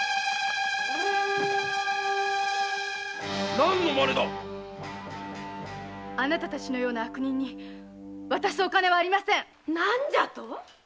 何のマネだあなたたちのような悪人に渡すお金はありません何じゃと？